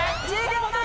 １０秒前。